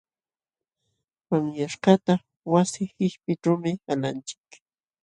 Panyaśhkaqta wasi qishpiyćhuumi qalanchik.